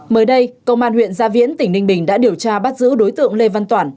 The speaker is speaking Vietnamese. mới đây công an huyện gia viễn tỉnh ninh bình đã điều tra bắt giữ đối tượng lê văn toản